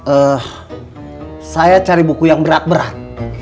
eh saya cari buku yang berat berat